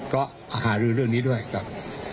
ก็หารือเรื่องนี้ด้วยครับ